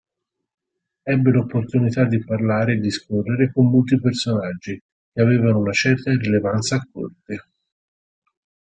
Ebbe l'opportunità di parlare e discorrere con molti personaggi che avevano una certa rilevanza a corte.